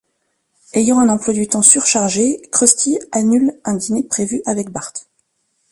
Ayant un emploi du temps surchargé, Krusty annule un dîner prévu avec Bart.